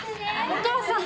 お母さん！